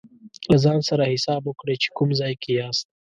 له ځان سره حساب وکړئ چې کوم ځای کې یاست.